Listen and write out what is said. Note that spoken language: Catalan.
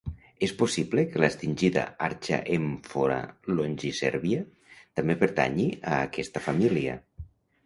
És possible que l'extingida "Archaeamphora longicervia" també pertanyi a aquesta família.